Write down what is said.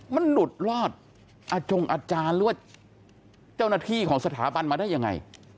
มันหลุดรอดอาจงอาจารย์หรือว่าเจ้าหน้าที่ของสถาบันมาได้ยังไง